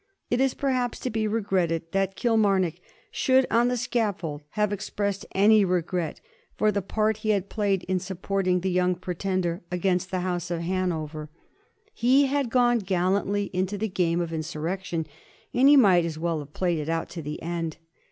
It is, perhaps, to be regretted that Kilmarnock should on the scaffold have expressed any regret for the part he had played in supporting the Young Pretender against the House of Hanover. He 1746. LORD LOVAT. 229 had gone gallantly into the game of insurrection, and he might as well have played it out to the end.